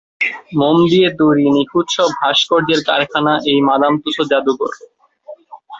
মোম দিয়ে তৈরী নিখুঁত সব ভাস্কর্যের কারখানা এই মাদাম তুসো জাদুঘর।